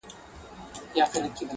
چي لګیا یې دي ملګري په غومبرو -